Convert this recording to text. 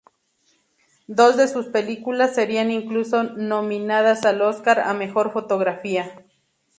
Dos de sus películas serían incluso nominadas al Oscar a Mejor fotografía.